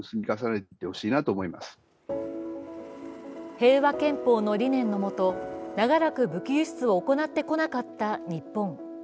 平和憲法の理念のもと、長らく武器輸出を行ってこなかった日本。